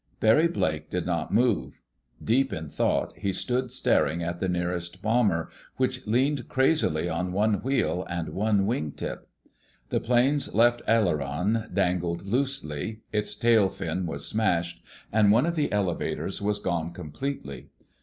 Barry Blake did not move. Deep in thought, he stood staring at the nearest bomber, which leaned crazily on one wheel and one wing tip. The plane's left aileron dangled loosely. Its tail fin was smashed, and one of the elevators was gone completely.